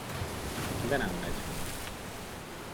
De nem megy.